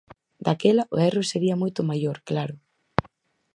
Daquela, o erro sería moito maior, claro.